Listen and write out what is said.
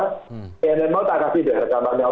tnm mau tak kasih deh rekamannya